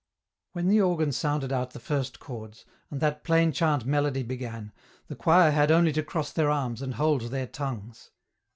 When the organ sounded out the first chords, and that plain chant melody began, the choir had only to cross their arms and hold their tongues.